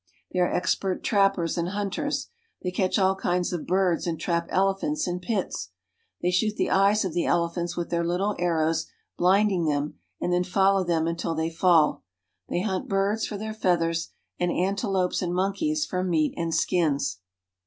They are expert trappers and hunters. They catch all kinds of birds and trap elephants in pits. They shoot the eyes of the elephants with their little arrows, blinding them ; and then follow them until they fall. They hunt birds for their feathers, and antelopes and monkeys for meat and skins.